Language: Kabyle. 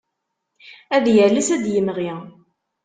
Ad yales ad d-yemɣi.